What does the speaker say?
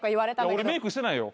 いや俺メークしてないよ。